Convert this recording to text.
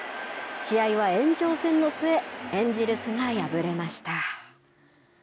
試合は延長戦の末エンジェルスが敗れました。